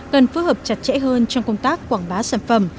cần phối hợp chặt chẽ hơn trong công tác quảng bá sản phẩm